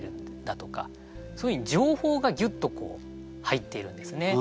そういうように情報がギュッと入っているんですね。